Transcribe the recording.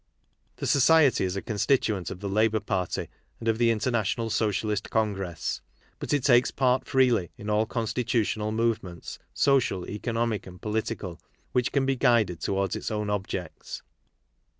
The Society is a constituent of the Labour Party and of the International Socialist Congress ; but it takes part freely in all constitutional movements, social, economic and political, which can be guided towards its own objects.